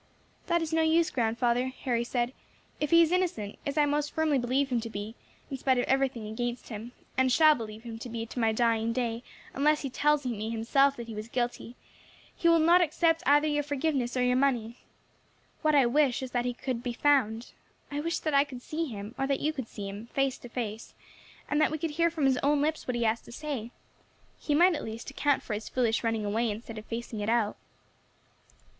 "That is no use, grandfather," Harry said, "if he is innocent as I most firmly believe him to be, in spite of everything against him, and shall believe him to be to my dying day, unless he himself tells me that he was guilty he will not accept either your forgiveness or your money. What I wish is that he could be found. I wish that I could see him, or that you could see him, face to face, and that we could hear from his own lips what he has to say. He might, at least, account for his foolish running away instead of facing it out.